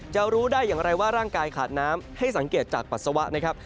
รู้ได้อย่างไรว่าร่างกายขาดน้ำให้สังเกตจากปัสสาวะนะครับ